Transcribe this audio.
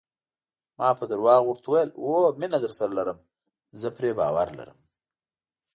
ما په درواغو ورته وویل: هو، مینه درسره لرم، زه پرې باور لرم.